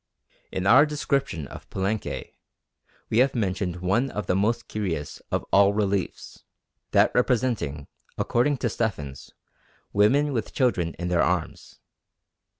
In our description of Palenque we have mentioned one of the most curious of all the reliefs that representing, according to Stephens, women with children in their arms.